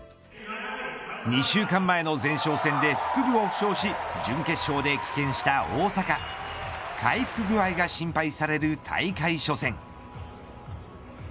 ２週間前の前哨戦で腹部を負傷し準決勝で棄権した大坂回復具合が心配される大会初戦。